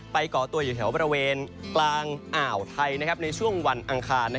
ก่อตัวอยู่แถวบริเวณกลางอ่าวไทยในช่วงวันอังคาร